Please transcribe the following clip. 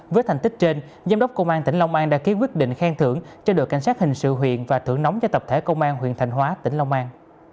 với thành tích trên giám đốc công an tỉnh long an đã ký quyết định khen thưởng cho đội cảnh sát hình sự huyện và thưởng nóng cho tập thể công an huyện thành hóa tỉnh long an